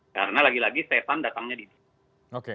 karena lagi lagi setan datangnya di titik